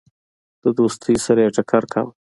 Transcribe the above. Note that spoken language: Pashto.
د دوستی سره یې ټکر کاوه.